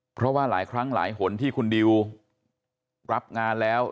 เพราะว่าหลายครั้งหลายหนที่คุณดิวรับงานแล้ว